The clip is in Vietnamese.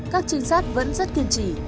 các trinh sát vẫn rất kiên trì